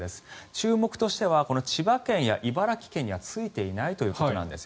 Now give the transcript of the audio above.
注目としては千葉県や茨城県にはついていないということなんです。